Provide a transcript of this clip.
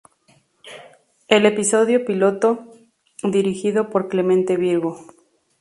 El episodio piloto, dirigido por Clemente Virgo.